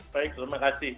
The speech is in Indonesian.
baik terima kasih